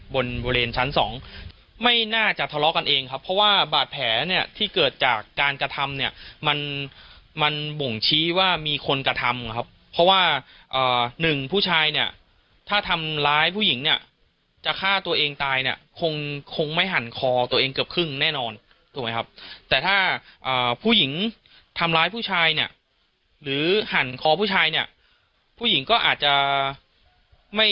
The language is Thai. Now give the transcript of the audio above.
บริเวณชั้นสองไม่น่าจะทะเลาะกันเองครับเพราะว่าบาดแผลเนี่ยที่เกิดจากการกระทำเนี่ยมันมันบ่งชี้ว่ามีคนกระทำครับเพราะว่าหนึ่งผู้ชายเนี่ยถ้าทำร้ายผู้หญิงเนี่ยจะฆ่าตัวเองตายเนี่ยคงคงไม่หั่นคอตัวเองเกือบครึ่งแน่นอนถูกไหมครับแต่ถ้าผู้หญิงทำร้ายผู้ชายเนี่ยหรือหั่นคอผู้ชายเนี่ยผู้หญิงก็อาจจะไม่